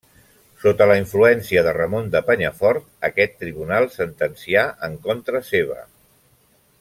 Sota la influència de Ramon de Penyafort, aquest tribunal sentencià en contra seva.